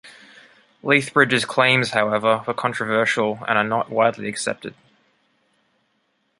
Lethbridge's claims, however, were controversial and are not widely accepted.